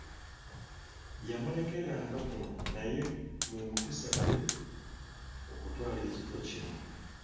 Yamulekera nga guno naye gwe mukisa gwe okutwala ekifo kino.